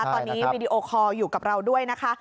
ตอนนี้วีดีโอคอลอยู่กับเราด้วยนะคะ